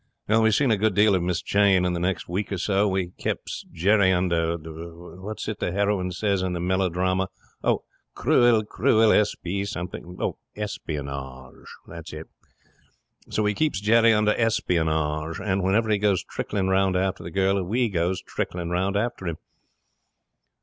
'Well, we seen a good deal of Miss Jane in the next week or so. We keeps Jerry under what's it the heroine says in the melodrama? "Oh, cruel, cruel, S.P. something." Espionage, that's it. We keeps Jerry under espionage, and whenever he goes trickling round after the girl, we goes trickling round after him.